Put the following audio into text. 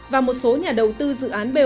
và một số nhà đầu tư dự án bot